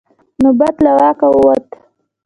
نوبت له واکه ووت.